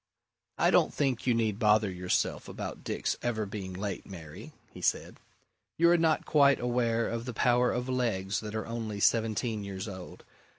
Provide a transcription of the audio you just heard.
"I don't think you need bother yourself about Dick's ever being late, Mary," he said. "You are not quite aware of the power of legs that are only seventeen years old.